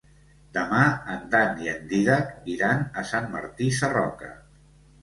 Demà en Dan i en Dídac iran a Sant Martí Sarroca.